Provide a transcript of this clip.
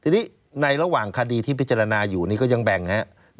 ทีนี้ในระหว่างคดีที่พิจารณาอยู่นี่ก็ยังแบ่งครับ